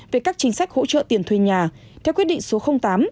về các chính sách hỗ trợ tiền thuê nhà theo quyết định số tám